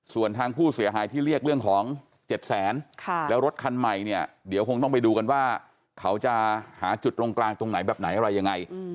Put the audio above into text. ส่วนทางผู้เสียหายที่เรียกเรื่องของ๗แสนแล้วรถคันใหม่เนี่ยเดี๋ยวคงต้องไปดูกันว่าเขาจะหาจุดตรงกลางตรงไหนแบบไหนอะไรยังไง